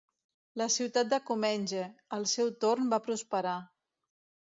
La ciutat de Comenge, al seu torn, va prosperar.